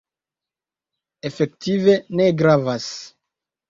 Efektive ne gravas.